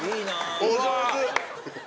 お上手。